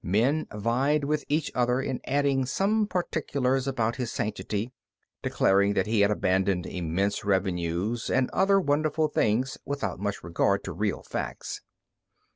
Men vied with each other in adding some particulars about his sanctity, declaring that he had abandoned immense revenues, and other wonderful things without much regard to real facts.